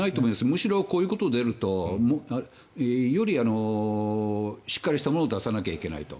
むしろ、こういうことが出るとよりしっかりしたものを出さないといけないと。